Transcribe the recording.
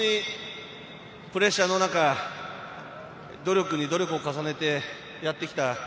本当にプレッシャーの中、努力に努力を重ねてやってきた。